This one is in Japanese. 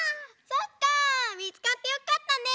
そっかみつかってよかったね！